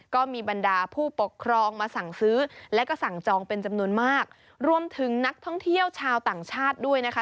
ก็มีบรรดาผู้ปกครองมาสั่งซื้อและก็สั่งจองเป็นจำนวนมากรวมถึงนักท่องเที่ยวชาวต่างชาติด้วยนะคะ